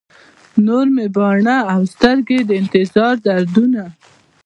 نور مې باڼه او سترګي، د انتظار دردونه